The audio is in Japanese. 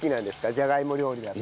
じゃがいも料理だと。